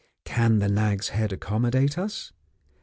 Can the Nag's Head accommodate us?